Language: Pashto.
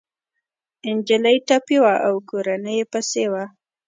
انجلۍ ټپي وه او کورنۍ يې پسې وه